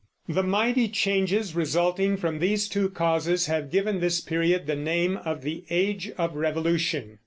The mighty changes resulting from these two causes have given this period the name of the Age of Revolution.